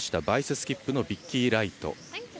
バイススキップのビッキー・ライト。